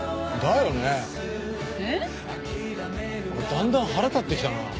だんだん腹立ってきたな。